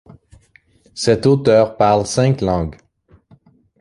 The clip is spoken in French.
Cet auteur parle cinq langues.